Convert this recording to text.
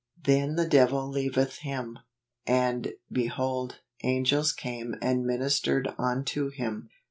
" Then the devil leaveth him, and, behold , angels came and ministered unto him."